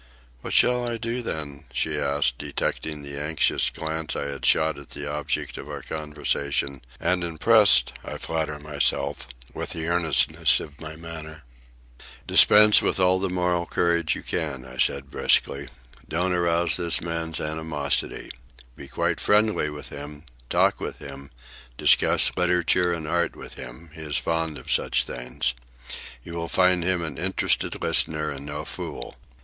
"What shall I do, then?" she asked, detecting the anxious glance I had shot at the object of our conversation, and impressed, I flatter myself, with the earnestness of my manner. "Dispense with all the moral courage you can," I said briskly. "Don't arouse this man's animosity. Be quite friendly with him, talk with him, discuss literature and art with him—he is fond of such things. You will find him an interested listener and no fool.